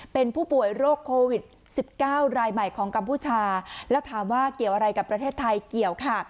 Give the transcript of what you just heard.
เป็นผู้ป่วยโรคโควิด๑๙รายใหม่ของกัมพูชาแล้วถามว่าเกี่ยวอะไรกับประเทศไทยเกี่ยวค่ะ